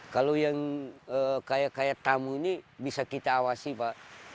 kalau yang kaya kaya tamu ini bisa kita awasi pak